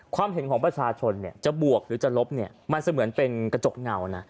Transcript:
ความเห็นของประชาชนจะบวกหรือจะลบเนี่ยมันเสมือนเป็นกระจกเงานะ